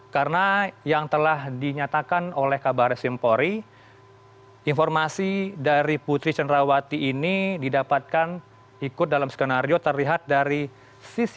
karena yang telah dinyatakan oleh kabar simpori informasi dari putri cenrawati ini didapatkan ikut dalam skenario terlihat dari ferdisambo